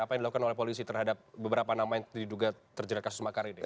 apa yang dilakukan oleh polisi terhadap beberapa nama yang diduga terjerat kasus makar ini